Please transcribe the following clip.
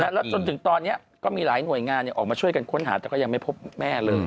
แล้วจนถึงตอนนี้ก็มีหลายหน่วยงานออกมาช่วยกันค้นหาแต่ก็ยังไม่พบแม่เลย